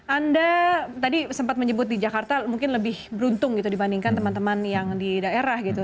anda tadi sempat menyebut di jakarta mungkin lebih beruntung gitu dibandingkan teman teman yang di daerah gitu